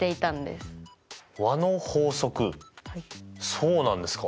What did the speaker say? そうなんですか。